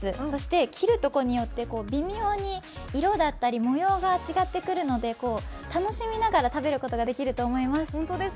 そして、切るところによって微妙に色や模様が違ってくるので楽しみながら食べることができると思います。